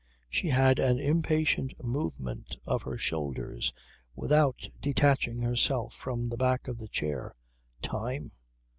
She had an impatient movement of her shoulders without detaching herself from the back of the chair. Time!